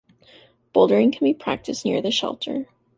Bouldering can be practiced near the shelter.